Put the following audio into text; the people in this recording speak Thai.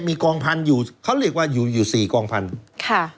มีกองพันธุ์อยู่เขาเรียกว่าอยู่อยู่สี่กองพันธุ์ค่ะ